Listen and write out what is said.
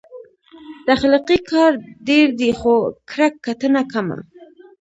تخلیقي کار ډېر دی، خو کرهکتنه کمه